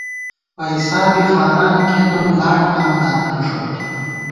پَئیسابی خانانےکھېتون، لاٹ نامہ دامی نِݭوت